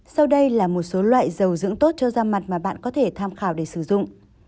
sau đây là một số loại dầu dưỡng tốt cho da mặt mà bạn có thể tham khảo để sử dụng